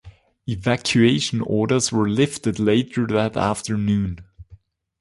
Evacuation orders were lifted later that afternoon.